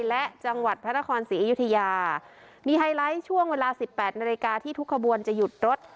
และจังหวัดพระนครศรีอยุธยามีไฮไลท์ช่วงเวลาสิบแปดนาฬิกาที่ทุกขบวนจะหยุดรถ